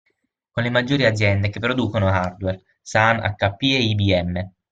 Con le maggiori aziende che producono hardware (Sun, Hp e IBM).